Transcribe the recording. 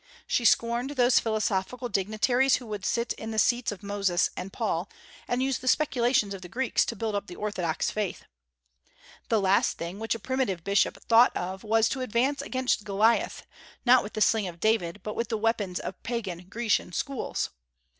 She scorned those philosophical dignitaries who would sit in the seats of Moses and Paul, and use the speculations of the Greeks to build up the orthodox faith. The last thing which a primitive bishop thought of was to advance against Goliath, not with the sling of David, but with the weapons of Pagan Grecian schools.